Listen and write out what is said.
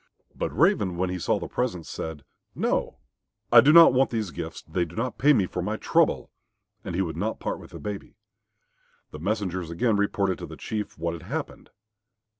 But Raven, when he saw the presents, said, "No, I do not want these gifts; they do not pay me for my trouble," and he would not part with the baby. The messengers again reported to the Chief what had happened.